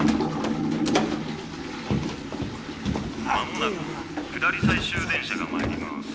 間もなく下り最終電車が参ります。